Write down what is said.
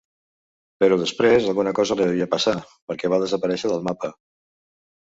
Però després alguna cosa li devia passar, perquè va desaparèixer del mapa.